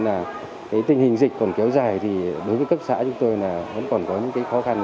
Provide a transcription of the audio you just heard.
nếu như tình hình dịch còn kéo dài thì đối với cấp xã chúng tôi vẫn còn có những khó khăn